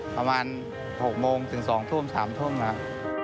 ประมาณ๖โมงถึง๒ทุ่ม๓ทุ่มครับ